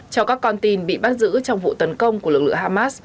cho các con tin bị bắt giữ trong vụ tấn công của lực lượng hamas